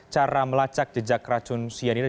cara melacak jejak racun cyanida